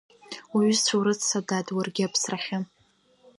Уҩызцәа урыцца, дад, уаргьы аԥсрахьы.